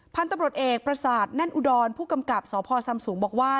พันธุ์ตำรวจเอกประสาทแน่นอุดรผู้กำกับสพซำสูงบอกว่า